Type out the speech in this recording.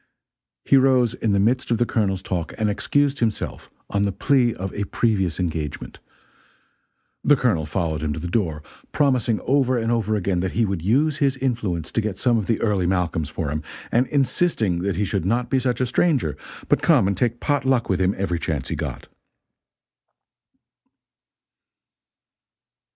He rose in the midst of the Colonel's talk and excused himself on the plea of a previous engagement. The Colonel followed him to the door, promising over and over again that he would use his influence to get some of the Early Malcolms for him, and insisting that he should not be such a stranger but come and take pot luck with him every chance he got.